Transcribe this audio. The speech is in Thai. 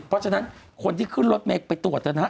เพราะฉะนั้นคนที่ขึ้นรถเมฆไปตรวจนะฮะ